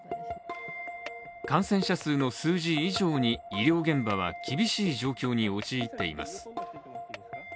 感染者数の数字以上に医療現場は厳しい状況に陥っています。